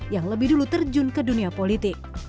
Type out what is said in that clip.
yang lebih dulu terjun ke dunia politik